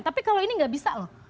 tapi kalau ini nggak bisa loh